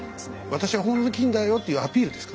私は本物の金だよっていうアピールですかね。